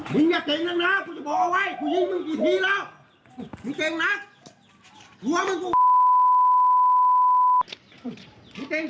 มึงไงเก่งน่ะนะกูจะบอกเอาไว้กูยกมึงกี่ทีแล้วมึงเก่งนัก